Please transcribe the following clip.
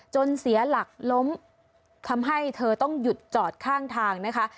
เสียหลักล้มทำให้เธอต้องหยุดจอดข้างทางนะคะ